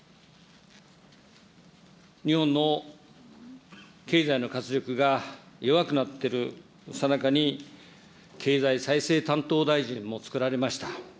日本の経済の活力が弱くなっているさなかに、経済再生担当大臣も作られました。